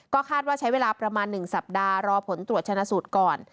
คาดว่าใช้เวลาประมาณ๑สัปดาห์รอผลตรวจชนะสูตรก่อน